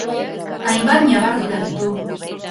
Hainbat ñabardura ditu.